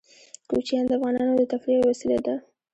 کوچیان د افغانانو د تفریح یوه وسیله ده.